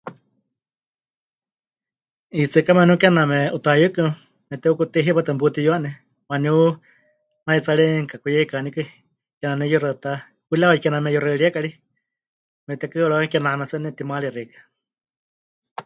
'Iitsɨkame waníu kename 'utayɨka meteukutei hipátɨ meputiyuane, waníu naitsarie mɨkakuyeikanikɨ kename waníu yuxaɨtá, hurawa kename meyuxeɨriéka ri metekuhɨawarɨwakai, kename tsɨ waníu nepɨtimarie xeikɨ́a.